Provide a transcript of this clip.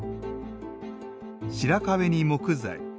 白壁に木材。